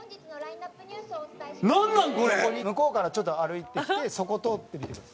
向こうからちょっと歩いてきてそこ通ってみてください。